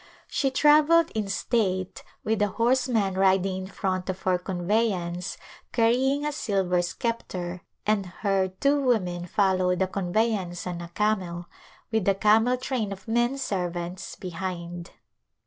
She travelled in state, with a horse man riding in front of her conveyance carrying a sil [ 287 ] A Glimpse of India ver sceptre, and her two women followed the convey ance on a camel, with a camel train of men servants behind.